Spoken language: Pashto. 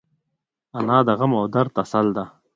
انا د غم او درد تسل ده